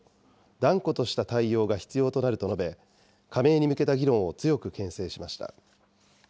断固とした対応が必要となると述べ、加盟に向けた議論を強くけん制しました。